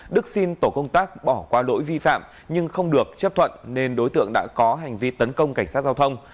đức xin tổ công tác bỏ qua lỗi vi phạm nhưng không được chấp thuận nên đối tượng đã có hành vi tấn công cảnh sát giao thông